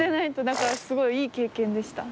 だからすごいいい経験でした。